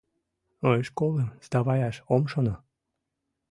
— Мый школым сдаваяш ом шоно.